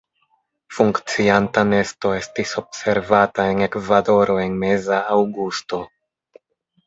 Funkcianta nesto estis observata en Ekvadoro en meza aŭgusto.